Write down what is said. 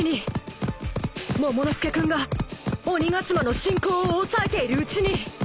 モモの助君が鬼ヶ島の進行を押さえているうちに